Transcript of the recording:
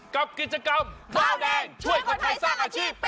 กับกิจกรรมบาวแดงช่วยคนไทยสร้างอาชีพ